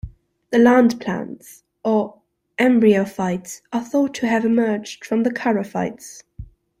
The land plants, or embryophytes, are thought to have emerged from the charophytes.